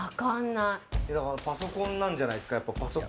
パソコンなんじゃないですか？